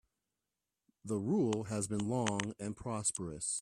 The rule has been long and prosperous.